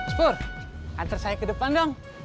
spur antar saya ke depan dong